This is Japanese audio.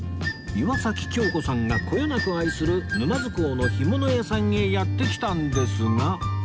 岩崎恭子さんがこよなく愛する沼津港の干物屋さんへやって来たんですが